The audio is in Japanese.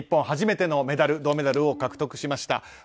初めてのメダル、銅メダルを獲得しました。